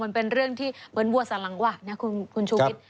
มันเป็นเรื่องที่เหมือนวัวสลังวะนะคุณชูวิทย์